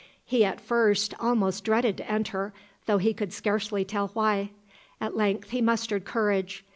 He at first almost dreaded to enter, though he could scarcely tell why. At length he mustered courage.